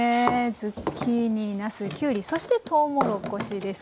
ズッキーニなすきゅうりそしてとうもろこしです。